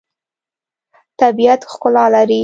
طبیعت ښکلا لري.